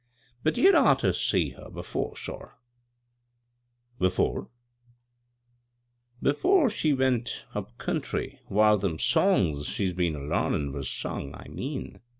But yer'd oughter seen her before, sor !" "Before?" " Before she went up country whar them songs she's been a lamin' was sung, I mean.